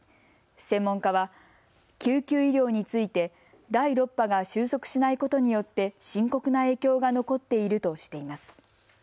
専門家は救急医療について第６波が収束しないことによって深刻な影響が残っているとしています。